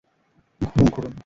ঘুরুন, ঘুরুন।